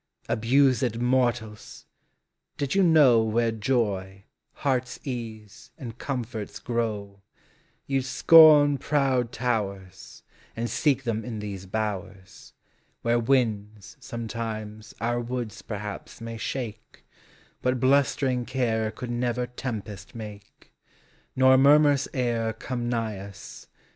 Abused mortals! did you know Where joy, heart's ease, and comforts grow, You 'd scorn proud towers And seek them in these bowers. Where winds, sometimes, our woods perhaps may shake, But blustering care could never tempest make; Nor murmurs e'er come nigh us.